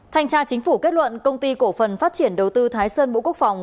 thanh tra chính phủ kết luận công ty cổ phần phát triển đầu tư thái sơn bộ quốc phòng